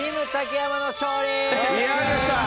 やりました！